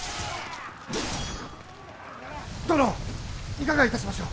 殿いかがいたしましょう？